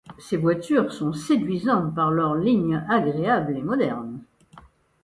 Ces voitures sont séduisantes par leur ligne agréable et moderne.